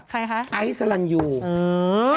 ใครคะไอซาลันยูอื้อ